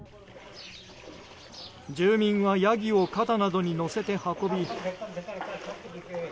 住民はヤギを肩などに乗せて運び。